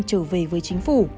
trở về với chính phủ